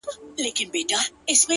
ه ستا د سترگو احترام نه دی ـ نو څه دی ـ